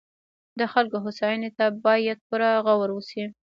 د خلکو هوساینې ته باید پوره غور وشي.